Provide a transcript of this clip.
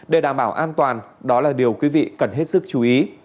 để đảm bảo an toàn đó là điều quý vị cần hết sức chú ý